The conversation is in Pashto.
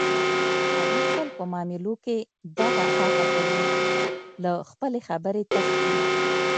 علي تل په معاملو کې دغه هغه کوي، له خپلې خبرې تښتي.